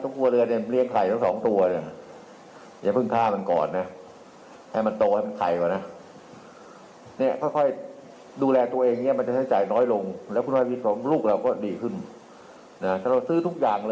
ต้องไปซื้อผืดซื้อผักซื้อไข่ยกอะไรต่าง